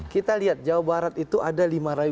kita lihat jawa barat itu ada lima